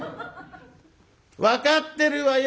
「分かってるわよ